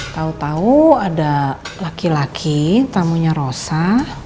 tau tau ada laki laki tamunya rosa